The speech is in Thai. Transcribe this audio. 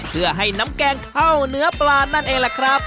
เพื่อให้น้ำแกงเข้าเนื้อปลานั่นเองแหละครับ